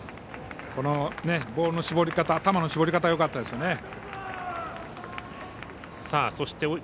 このボールの絞り方がよかったですね。